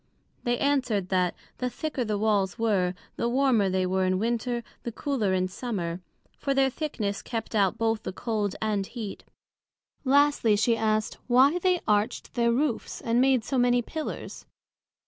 They answered, That, the thicker the Walls were, the warmer they were in Winter, the cooler in Summer; for their thickness kept out both the Cold and Heat. Lastly, she asked, Why they Arched their Roofs, and made so many Pillars?